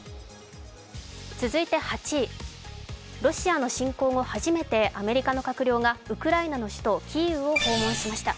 続いて８位、ロシアの侵攻後初めて、アメリカの閣僚がウクライナの首都キーウを訪問しました。